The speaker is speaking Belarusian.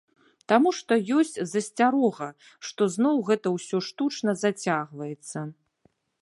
Таму што ёсць засцярога, што зноў гэта ўсё штучна зацягваецца.